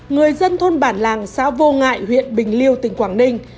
người dân thôn bản làng xã vô ngại huyện bình liêu tỉnh quảng ninh